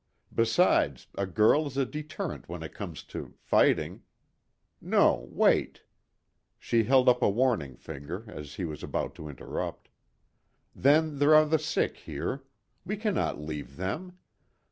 Besides, a girl is a deterrent when it comes to fighting. No, wait." She held up a warning finger as he was about to interrupt. "Then there are the sick here. We cannot leave them.